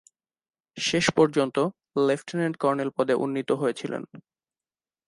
শেষপর্যন্ত lieutenant colonel পদে উন্নীত হয়েছিলেন।